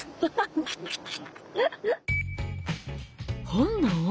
本能？